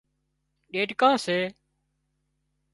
ڏيڏڪان سي